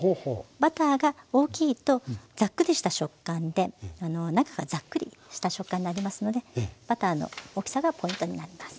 バターが大きいとザックリした食感で中がザックリした食感になりますのでバターの大きさがポイントになります。